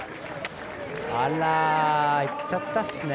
あらいっちゃったっすね